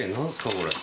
これ。